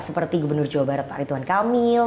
seperti gubernur jawa barat pak ritwan kamil